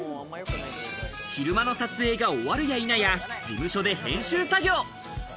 昼間の撮影が終わるやいなや、事務所で編集作業。